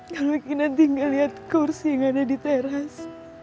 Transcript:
kalau kinanti nggak lihat kursi yang ada di teras